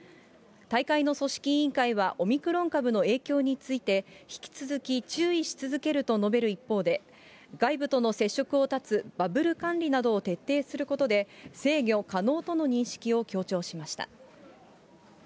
大会の組織委員会はオミクロン株の影響について、引き続き注意し続けると述べる一方で、外部との接触を断つバブル管理などを徹底することで制御可能との認識を強調しました。